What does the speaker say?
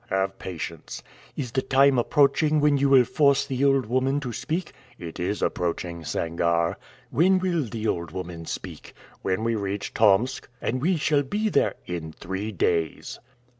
"Have patience." "Is the time approaching when you will force the old woman to speak?" "It is approaching, Sangarre." "When will the old woman speak?" "When we reach Tomsk." "And we shall be there " "In three days."